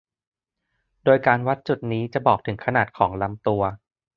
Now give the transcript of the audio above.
โดยการวัดจุดนี้จะบอกถึงขนาดของลำตัว